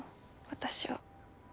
私は。